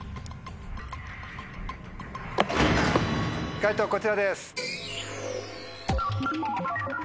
解答こちらです。